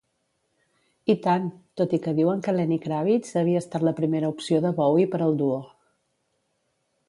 I tant!", tot i que diuen que Lenny Kravitz havia estat la primera opció de Bowie per al duo.